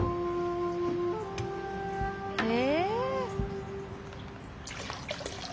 え！